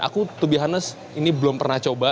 aku to be honest ini belum pernah coba